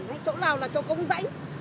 mà còn đi lại